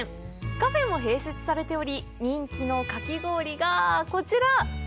カフェも併設されており人気のかき氷がこちら！